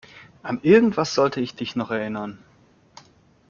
An irgendwas sollte ich dich noch erinnern.